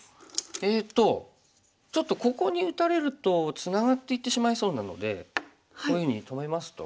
えっとちょっとここに打たれるとツナがっていってしまいそうなのでこういうふうに止めますと。